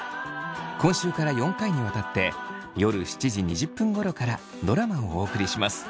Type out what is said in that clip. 今週から４回にわたって夜７時２０分ごろからドラマをお送りします。